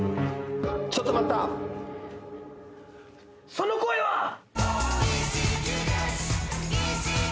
ちょっと待ったその声は？